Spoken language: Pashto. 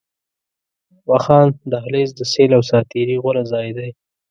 واخان دهلېز، د سيل او ساعتري غوره ځای